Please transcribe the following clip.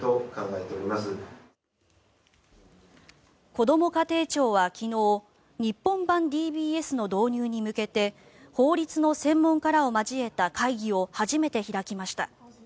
こども家庭庁は昨日日本版ＤＢＳの導入に向けて法律の専門家らを交えた会議を初めて開きました。